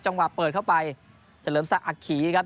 จังหวะเปิดเข้าไปจะเหลือสักอักขีครับ